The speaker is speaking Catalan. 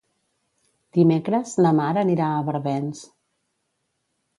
Dimecres na Mar anirà a Barbens.